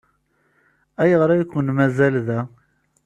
Ayɣer ay ken-mazal da?